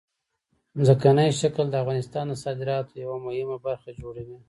ځمکنی شکل د افغانستان د صادراتو یوه مهمه برخه جوړوي.